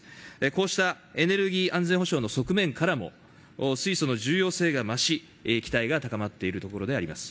こうしたエネルギー安全保障の側面からも水素の重要性が増し期待が高まっているところであります。